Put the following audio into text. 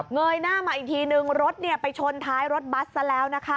เยยหน้ามาอีกทีนึงรถไปชนท้ายรถบัสซะแล้วนะคะ